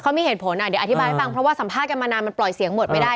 เขามีเหตุผลอ่ะเดี๋ยวอธิบายให้ฟังเพราะว่าสัมภาษณ์กันมานานมันปล่อยเสียงหมดไม่ได้